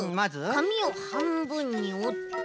かみをはんぶんにおって。